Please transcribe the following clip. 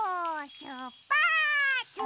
しゅっぱつ！